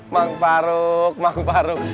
bang farung bang farung